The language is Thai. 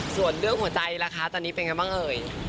ส่วนเรื่องหัวใจล่ะคะตอนนี้เป็นไงบ้างเอ่ย